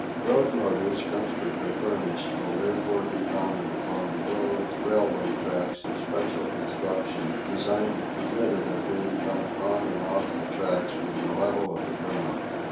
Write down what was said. Road motors, comfortably furnished, will therefore be mounted upon low railway trucks of special construction, designed to permit of their being run on and off the trucks from the level of the ground.